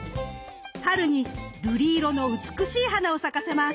春に瑠璃色の美しい花を咲かせます。